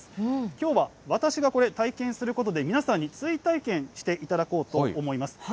きょうは私がこれ、体験することで、皆さんに追体験していただこうと思います。